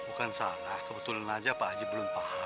bukan salah kebetulan aja pak haji belum paham